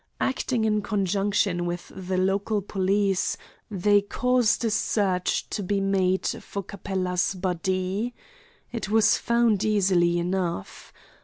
Acting in conjunction with the local police, they caused a search to be made for Capella's body. It was found easily enough.